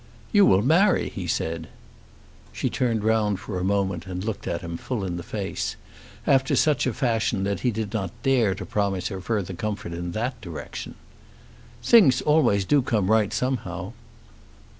"You will marry," he said. She turned round for a moment and looked at him, full in the face, after such a fashion that he did not dare to promise her further comfort in that direction. "Things always do come right, somehow."